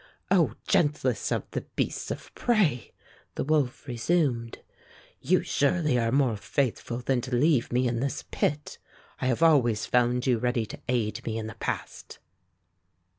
"O gentlest of the beasts of prey," the wolf resumed, "you surely are more faithful than to leave me in this pit. I have always found you ready to aid me in the past."